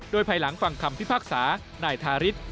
โดยภายหลังฟังคำพิพากษานายทาริส